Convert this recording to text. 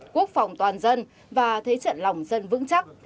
quốc phòng toàn dân và thế trận lòng dân vững chắc